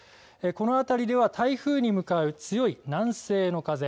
この辺りでは台風に向かう強い南西の風